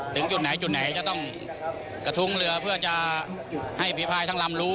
ถึงจุดไหนจุดไหนจะต้องกระทุ้งเรือเพื่อจะให้ฝีภายทั้งลำรู้